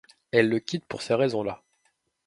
Elle le quitte pour ces raisons-là.